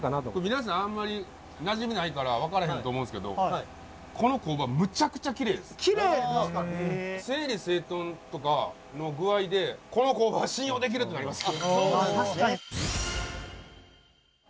皆さんあんまりなじみないから分からへんと思うんですけど整理整頓とかの具合で「この工場は信用できる！」ってなります。